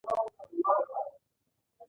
موږ له حکومته نارازه یو